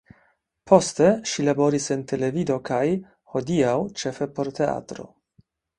Poste, ŝi laboris en televido kaj, hodiaŭ, ĉefe por teatro.